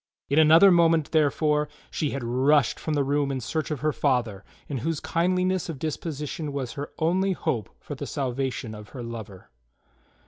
In another moment, therefore, she had rushed from the room in search of her father, in whose kindliness of dispo sition was her only hope for the salvation of her lover.